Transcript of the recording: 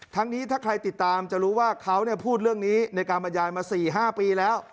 นี้ถ้าใครติดตามจะรู้ว่าเขาพูดเรื่องนี้ในการบรรยายมา๔๕ปีแล้ว